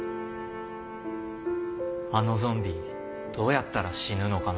「あのゾンビどうやったら死ぬのかな」